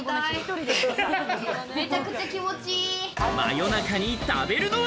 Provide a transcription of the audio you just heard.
夜中に食べるのは？